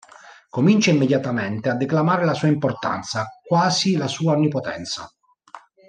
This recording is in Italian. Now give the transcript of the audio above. Comincia immediatamente a declamare la sua importanza, quasi la sua onnipotenza.